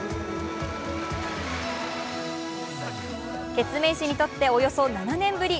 ケツメイシにとっておよそ７年ぶり。